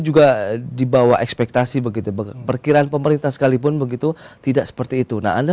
juga dibawa ekspektasi begitu perkiraan pemerintah sekalipun begitu tidak seperti itu nah anda